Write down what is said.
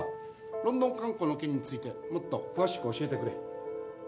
ロンドン観光の件についてもっと詳しく教えてくれ。